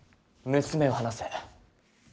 娘を離せ。